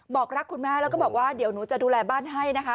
บอกรักคุณแม่แล้วก็บอกว่าเดี๋ยวหนูจะดูแลบ้านให้นะคะ